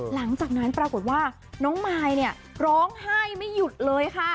หลังจากนั้นปรากฏว่าน้องมายเนี่ยร้องไห้ไม่หยุดเลยค่ะ